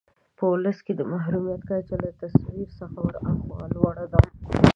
په ولس کې د محرومیت کچه له تصور څخه ورهاخوا لوړه ده.